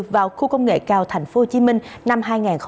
vào khu công nghệ cao tp hcm năm hai nghìn hai mươi